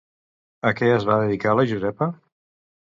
A què es va dedicar la Josepa?